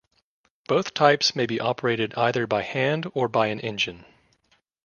Both types may be operated either by hand or by an engine.